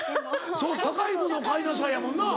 「高いものを買いなさい」やもんな。